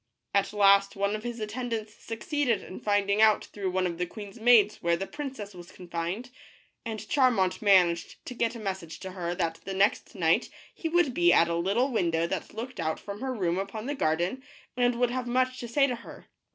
At last, one of his attendants succeeded in finding out through one of the queen's maids where the princess was confined, and Charmant managed to get a message to her that the next night he would be at a little window that looked out from her room upon the garden, and would have much to say to her.